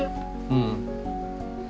うん。